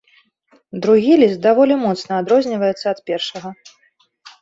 Другі ліст даволі моцна адрозніваецца ад першага.